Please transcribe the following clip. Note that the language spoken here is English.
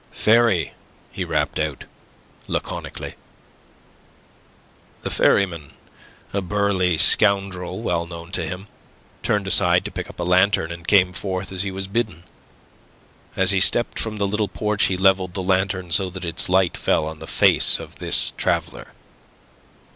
"Ferry!" he rapped out, laconically. The ferryman, a burly scoundrel well known to him, turned aside to pick up a lantern, and came forth as he was bidden. As he stepped from the little porch, he levelled the lantern so that its light fell on the face of this traveller.